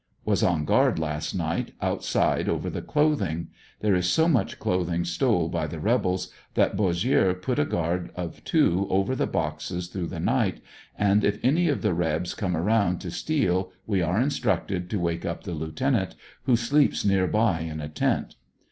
Was on guard last night, outside, over the clothing. There is so much clothing stole by the rebels that Bossieux put a guard of two over the boxes through the night, and if any of the Rebs. come around to steal we are instructed to wake up the lieutenant, who sleeps near by in a tent.